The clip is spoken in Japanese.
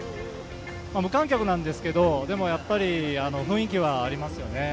無観客なんですけど、やっぱり雰囲気はありますよね。